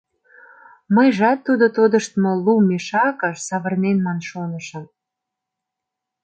Мыйжат тудо тодыштмо лу мешакыш савырнен ман шонышым.